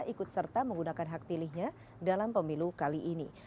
ikut serta menggunakan hak pilihnya dalam pemilu kali ini